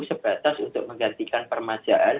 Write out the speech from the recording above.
sebatas untuk menggantikan permajaan